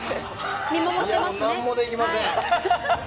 何もできません。